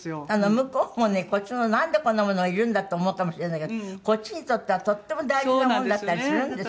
向こうもねこっちのなんでこんな物がいるんだと思うかもしれないけどこっちにとってはとっても大事な物だったりするんですよね。